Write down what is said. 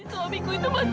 itu abiku itu mati